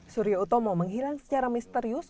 surya utomo menghilang secara misterius